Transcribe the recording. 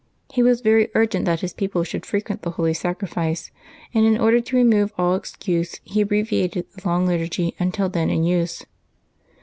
He was very urgent that his people should frequent the holy sac rifice, and in order to remove all excuse he abbreviated the long Liturgy until then in use.